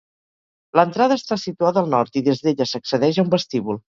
L'entrada està situada al nord, i des d'ella s'accedeix a un vestíbul.